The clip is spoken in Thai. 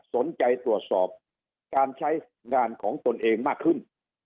สนใจตรวจสอบการใช้งานของตนเองมากขึ้น